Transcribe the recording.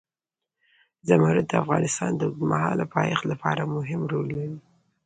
زمرد د افغانستان د اوږدمهاله پایښت لپاره مهم رول لري.